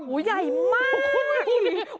โอ้ยใหญ่มาก